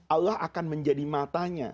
allah akan menjadi matanya